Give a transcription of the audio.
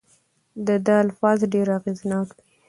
د ده الفاظ ډېر اغیزناک دي.